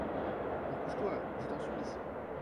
Recouche-toi, je t'en supplie.